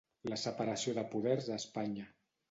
La separació de poders a Espanya.